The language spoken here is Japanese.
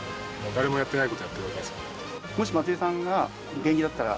誰もやってないことをやっているわけですから。